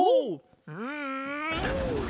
うん！